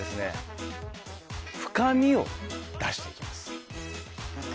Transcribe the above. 深みを出していきます。